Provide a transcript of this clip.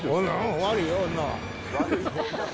悪いよ、女は。